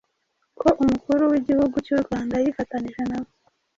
ko umukuru w’igihugu cy’u Rwanda yifatanije nabo